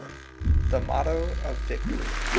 THE MOTTO OP VICTORY.